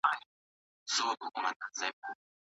که باران ونه وریږي، موږ به چکر ته لاړ شو.